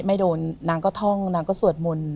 ไม่โดนนางก็ท่องนางก็สวดมนต์